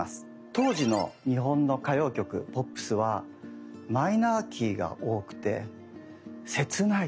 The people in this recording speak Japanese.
当時の日本の歌謡曲ポップスはマイナーキーが多くてせつない。